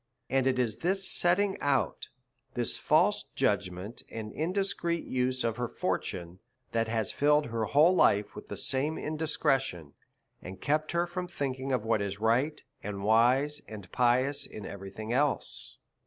And it is this setting out, this false judgment, and indiscreet use of her fortune, that has filled her whole life with the same indiscretion, and kept her from thinking of what is right, and wise, and pious, in every thing else.